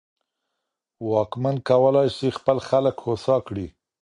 واکمن کولای سي خپل خلګ هوسا کړي.